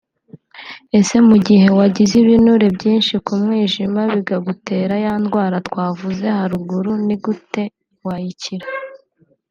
Ese mu gihe wagize ibinure byinshi ku mwijima bikagutera ya ndwara twavuze haruguru ni gute wayikira